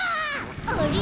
あれ？